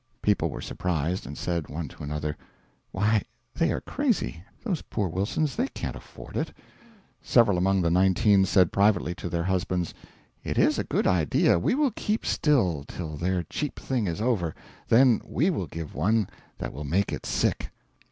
People were surprised, and said, one to another, "Why, they are crazy, those poor Wilsons, they can't afford it." Several among the nineteen said privately to their husbands, "It is a good idea, we will keep still till their cheap thing is over, then WE will give one that will make it sick."